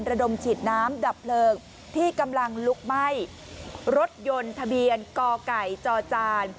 ระดมฉีดน้ำดับเพลิงที่กำลังลุกไหม้รถยนต์ทะเบียนกไก่จอจาน